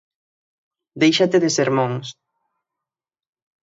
Déixate de sermóns.